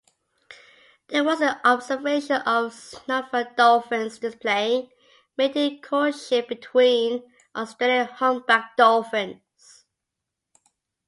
There was an observation of snubfin dolphins displaying mating courtship between Australian humpback dolphins.